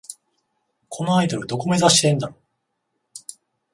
このアイドル、どこを目指してんだろ